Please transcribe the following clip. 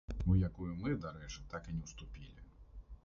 У якую мы, дарэчы, так і не ўступілі.